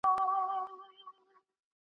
فرضیه د څېړونکي ذهن ته لوری ورکوي.